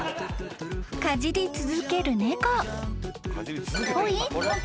［かじり続ける猫］